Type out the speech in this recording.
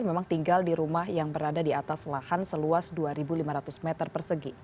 memang tinggal di rumah yang berada di atas lahan seluas dua lima ratus meter persegi